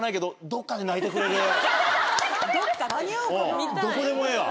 どこでもええわ。